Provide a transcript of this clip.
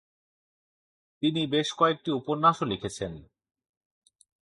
তিনি বেশ কয়েকটি উপন্যাসও লিখেছেন।